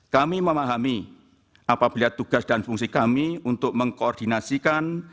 kami memahami apabila tugas dan fungsi kami untuk mengkoordinasikan